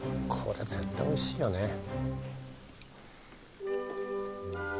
これ絶対おいしいよね。